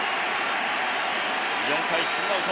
４回ツーアウト。